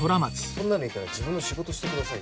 そんなのいいから自分の仕事してくださいよ。